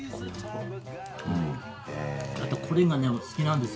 あとこれがね好きなんです。